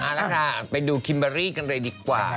อ้าวแล้วค่ะไปดูคิมมะรี่กันเลยดีกว่า